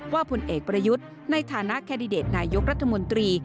ผลเอกประยุทธ์ในฐานะแคนดิเดตนายกรัฐมนตรี